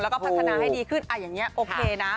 แล้วก็พัฒนาให้ดีขึ้นอย่างนี้โอเคนะ